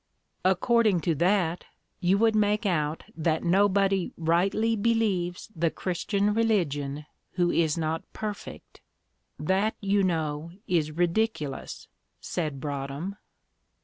'" "According to that, you would make out that nobody rightly believes the Christian religion who is not perfect; that, you know, is ridiculous," said Broadhem.